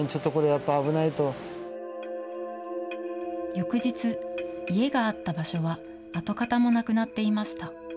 翌日、家があった場所は跡形もなくなっていました。